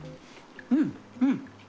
うんうん！